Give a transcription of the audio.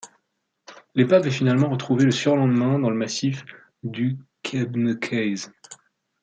L'épave est finalement retrouvée le surlendemain, dans le massif du Kebnekaise.